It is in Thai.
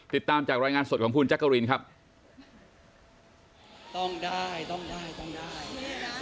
ติดตามจากรายงานสดของคุณแจ๊กกะรีนครับต้องได้ต้องได้ต้องได้